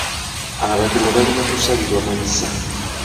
Abatemu balina kusalirwa mayisa.